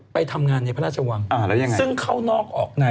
ไปทำงานในพระราชวังซึ่งเข้านอกออกใน